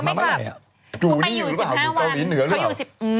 ตัวนี้อยู่หรือเปล่าอยู่เกาหลีเหนือหรือเปล่า